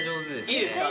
いいですか？